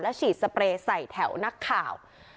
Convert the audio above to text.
ฉีดสเปรย์ใส่แถวนักข่าว